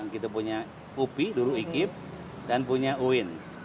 kita punya upi dulu ikib dan punya uin